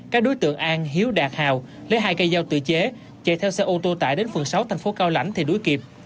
các đối tượng an hiếu đạt hào lấy hai cây dao tự chế chạy theo xe ô tô tải đến phường sáu thành phố cao lãnh thì đuối kịp